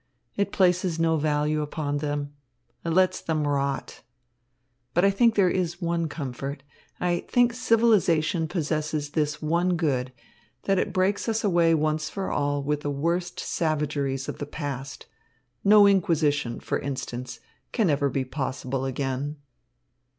It places no value upon them. It lets them rot. But I think there is one comfort. I think civilisation possesses this one good, that it breaks us away once for all with the worst savageries of the past. No inquisition, for instance, can ever be possible again."